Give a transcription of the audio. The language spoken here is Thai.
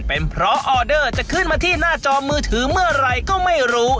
เป็นเพราะออเดอร์จะขึ้นมาที่หน้าจอมือถือเมื่อไหร่ก็ไม่รู้